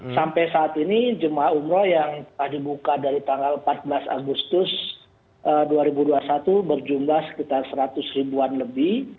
sampai saat ini jemaah umroh yang telah dibuka dari tanggal empat belas agustus dua ribu dua puluh satu berjumlah sekitar seratus ribuan lebih